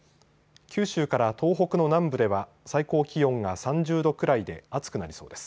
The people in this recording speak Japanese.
九州から東北の南部では最高気温が３０度くらいで暑くなりそうです。